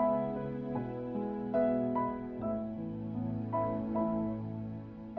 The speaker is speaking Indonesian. eh lupa aku mau ke rumah